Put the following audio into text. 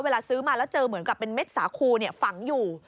เวลาซื้อมาแล้วเจอเหมือนกับเป็นเม็ดสาคูฝังอยู่